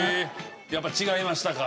やっぱり違いましたか？